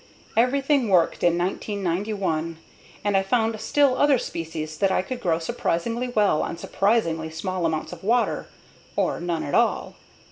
Everything worked in 1991! And I found still other species that I could grow surprisingly well on surprisingly small amounts of water[ ]or none at all.